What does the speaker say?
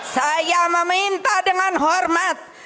saya meminta dengan hormat